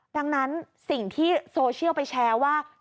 ดังนั้นสิ่งที่โซเชียลไปแชร์ว่า